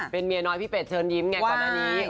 เป็นเมียน้อยพี่เป็ดเชิญยิ้มไงก่อนหน้านี้